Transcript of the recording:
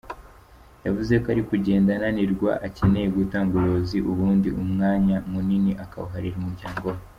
Yavuze ko ari kugenda ananirwa, akeneye gutanga ubuyobozi ubundi umwanya munini akawuharira umuryango we.